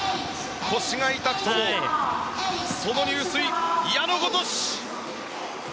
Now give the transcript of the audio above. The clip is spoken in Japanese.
腰が痛くてもその入水、矢のごとし！